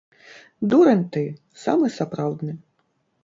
Дурань ты, самы сапраўдны.